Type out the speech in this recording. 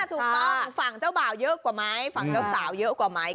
ถูกต้องฝั่งเจ้าบ่าวเยอะกว่าไหมฝั่งเจ้าสาวเยอะกว่าไหม